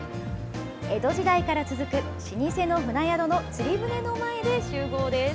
江戸時代から続く、老舗の船宿の釣り船の前で集合です。